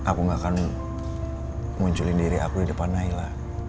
aku gak akan munculin diri aku di depan naila